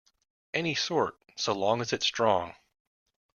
Any sort, so long as it's strong.